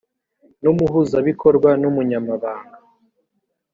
n umuhuzabikorwa n umunyamabanga